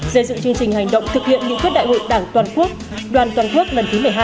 xây dựng chương trình hành động thực hiện nghị quyết đại hội đảng toàn quốc đoàn toàn quốc lần thứ một mươi hai